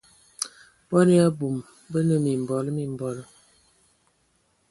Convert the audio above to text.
Bɔn ya abum, bə nə mimbɔl mimbɔl.